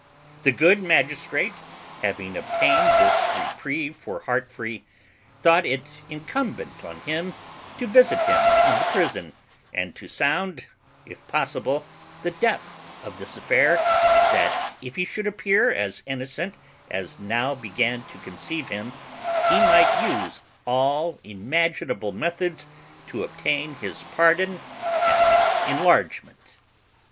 The good magistrate, having obtained this reprieve for Heartfree, thought it incumbent on him to visit him in the prison, and to sound, if possible, the depth of this affair, that, if he should appear as innocent as he now began to conceive him, he might use all imaginable methods to obtain his pardon and enlargement.